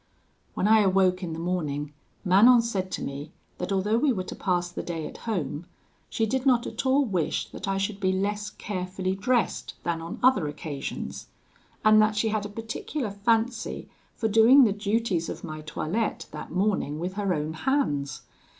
"When I awoke in the morning, Manon said to me, that although we were to pass the day at home, she did not at all wish that I should be less carefully dressed than on other occasions; and that she had a particular fancy for doing the duties of my toilette that morning with her own hands.